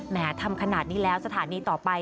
ทำขนาดนี้แล้วสถานีต่อไป